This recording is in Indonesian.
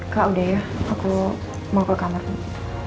kak udah ya aku mau ke kamarnya